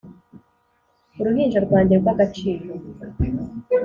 uruhinja rwanjye rw'agaciro